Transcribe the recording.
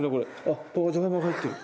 じゃがいも入ってる。